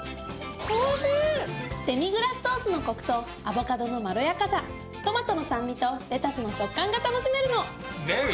デミグラスソースのコクとアボカドのまろやかさトマトの酸味とレタスの食感が楽しめるの。